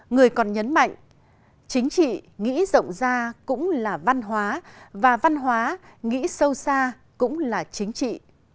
người còn nhấn mạnh chính trị nghĩ rộng ra cũng là văn hóa và văn hóa nghĩ sâu xa cũng là chính trị